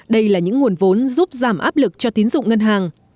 đây là những nguồn vốn giúp giảm áp lực cho tín dụng ngân hàng